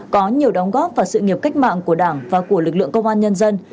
có nhiều đóng góp vào sự nghiệp cách mạng của đảng và của lực lượng công an nhân dân